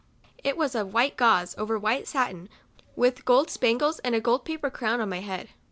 It was of white gauze, over white satin, with gold spangles, and a gold paper crown on my head.